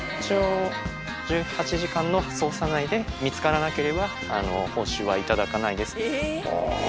実働１８時間の捜査内で、見つからなければ報酬は頂かないです。